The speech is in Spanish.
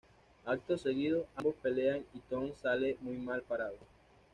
Acto seguido, ambos pelean y Tom sale muy mal parado.